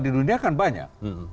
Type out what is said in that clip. di dunia kan banyak